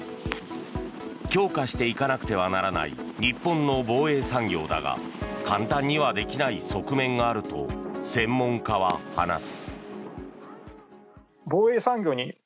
強化していかなくてはならない日本の防衛産業だが簡単にはできない側面があると専門家は話す。